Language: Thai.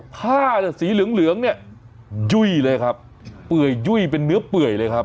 ผ้าสีเหลืองเนี่ยยุ่ยเลยครับเปลือยเป็นเนื้อเปลือยเลยครับ